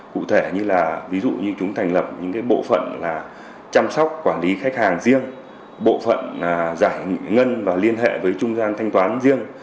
cụ thể như là ví dụ như chúng thành lập những bộ phận là chăm sóc quản lý khách hàng riêng bộ phận giải ngân và liên hệ với trung gian thanh toán riêng